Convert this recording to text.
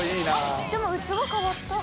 王林）でも器変わった。